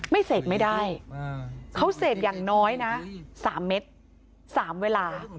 ไม่เสพไม่ได้เขาเสพอย่างน้อยนะ๓เม็ด๓เวลา